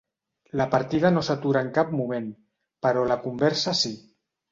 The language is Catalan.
La partida no s'atura en cap moment, però la conversa sí.